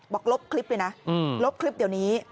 ลบคลิปเลยนะลบคลิปเดี๋ยวนี้